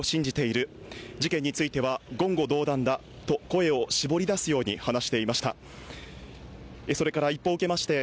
事件については言語道断だと声を絞り出すように話していました。